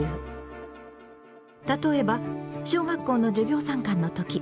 例えば小学校の授業参観の時。